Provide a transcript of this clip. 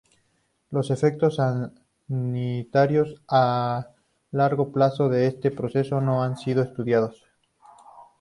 Los efectos sanitarios a largo plazo de este proceso no han sido estudiados.